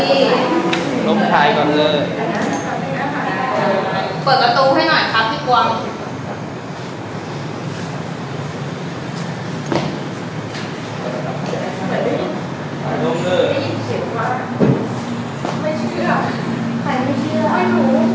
เปิดหน่อยครับพี่กว้าง